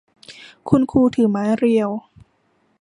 คุณครูถือไม้เรียว